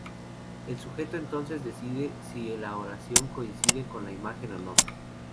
El sujeto entonces decide si la oración coincide con la imagen o no.